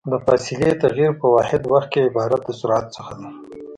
د فاصلې تغير په واحد وخت کې عبارت د سرعت څخه ده.